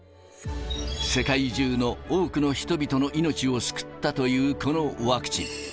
世界中の多くの人々の命を救ったというこのワクチン。